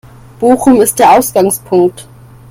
Bochum ist der Ausgangspunkt.